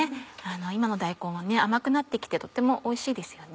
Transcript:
今の大根は甘くなって来てとてもおいしいですよね。